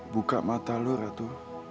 buka mata lo ratu